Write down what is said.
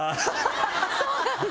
そうなんだ。